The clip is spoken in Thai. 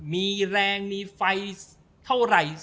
มีแรงมีไฟเท่าไหร่